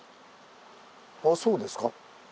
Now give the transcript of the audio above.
あそうですか。